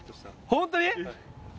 本当に？